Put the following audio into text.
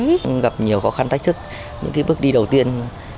người ta gặp nhiều khó khăn tách thức những bước đi đầu tiên